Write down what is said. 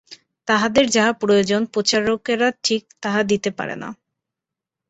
তাহাদের যাহা প্রয়োজন, প্রচারকেরা ঠিক তাহা দিতে পারে না।